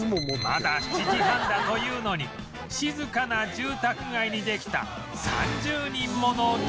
まだ７時半だというのに静かな住宅街にできた３０人もの行列